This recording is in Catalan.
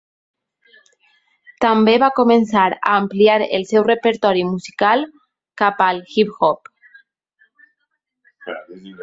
També va començar a ampliar el seu repertori musical cap al hip hop.